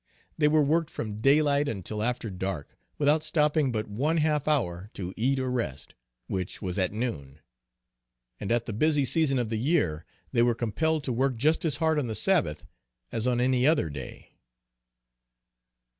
They were worked from daylight until after dark, without stopping but one half hour to eat or rest, which was at noon. And at the busy season of the year, they were compelled to work just as hard on the Sabbath, as on any other day.